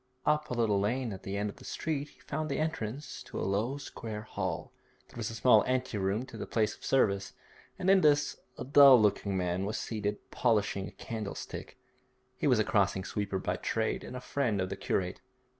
Up a little lane at the end of the street he found the entrance to a low square hall. There was a small ante room to the place of service, and in this a dull looking man was seated polishing a candlestick. He was a crossing sweeper by trade and a friend of the curate.